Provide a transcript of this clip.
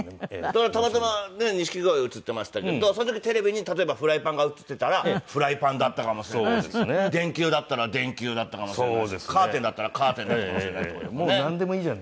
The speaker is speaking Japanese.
だからたまたま錦鯉が映っていましたけどその時テレビに例えばフライパンが映っていたらフライパンだったかもしれないし電球だったら電球だったかもしれないしカーテンだったらカーテンだったかもしれないっていう事だもんね。